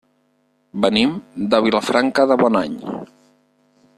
Venim de Vilafranca de Bonany.